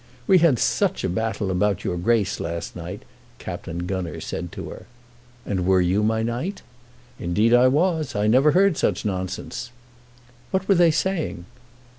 "We had such a battle about your Grace last night," Captain Gunner said to her. "And were you my knight?" "Indeed I was. I never heard such nonsense." "What were they saying?"